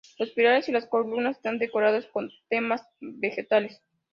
Los pilares y columnas están decorados con temas vegetales.